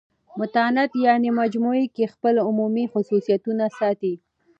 متانت یعني مجموع کښي خپل عمومي خصوصیتونه ساتي.